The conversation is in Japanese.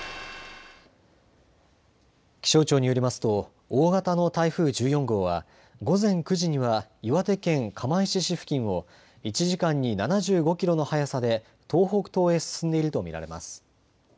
気象庁によりますと、大型の台風１４号は、午前９時には岩手県釜石市付近を１時間に７５キロの速さで東北東へ進んでいると見られます。